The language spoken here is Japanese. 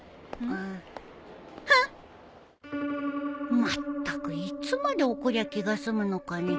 まったくいつまで怒りゃ気が済むのかね